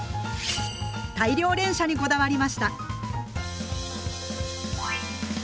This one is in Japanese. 大量連射にこだわりました。